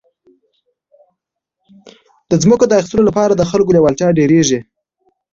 د ځمکو د اخیستو لپاره د خلکو لېوالتیا ډېرېږي.